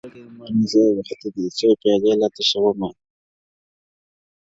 • مرګه مه را ځه وختي دی، څو پیالې لا تشومه -